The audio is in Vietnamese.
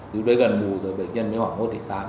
từ đấy gần mù rồi bệnh nhân mới hoảng một tám